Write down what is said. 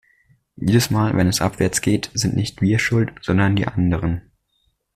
Jedesmal, wenn es abwärts geht, sind nicht wir schuld, sondern die anderen.